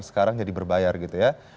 sekarang jadi berbayar gitu ya